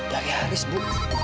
dari haris bu